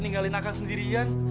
ninggalin akang sendirian